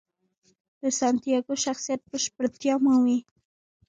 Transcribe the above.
د سانتیاګو شخصیت بشپړتیا مومي.